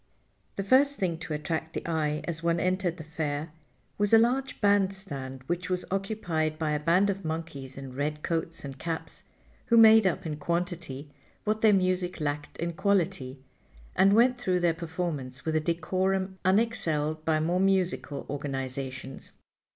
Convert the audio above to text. The first thing to attract the eye as one entered the Fair was a large band stand which was occupied by a band of monkeys in red coats and caps, who made up in quantity what their music lacked in quality, and went through their performance with a decorum unexcelled by more musical organizations.